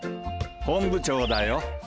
本部長だよ。